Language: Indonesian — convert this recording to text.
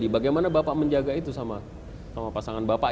bagaimana bapak menjaga itu sama pasangan bapak